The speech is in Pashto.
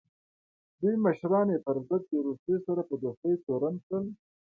دوی مشران یې پر ضد د روسیې سره په دوستۍ تورن کړل.